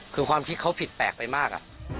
คือความคิดเขาผิดแปลกไปมาก